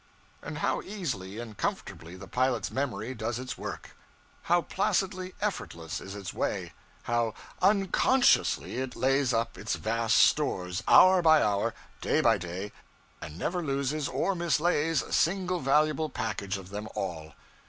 And how easily and comfortably the pilot's memory does its work; how placidly effortless is its way; how _unconsciously _it lays up its vast stores, hour by hour, day by day, and never loses or mislays a single valuable package of them all!